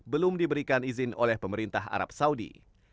belum diberikan izin oleh pemerintah arab saudi